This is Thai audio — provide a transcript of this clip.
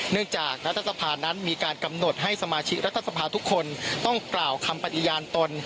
จากรัฐสภานั้นมีการกำหนดให้สมาชิกรัฐสภาทุกคนต้องกล่าวคำปฏิญาณตน